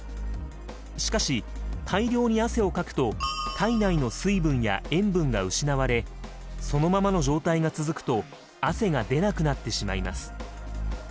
しかし大量に汗をかくと体内の水分や塩分が失われそのままの状態が続くと汗が出なくなってしまいます。